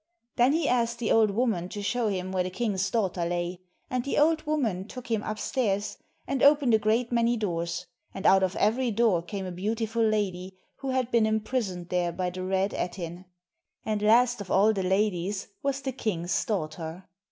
Then he asked the old woman to show him where the king's daughter lay ; and the old woman took him upstairs, and opened a great many doors, and out of every door came a beautiful lady who had been imprisoned there by the Red Ettin ; and last of all the ladies was the king's daughter.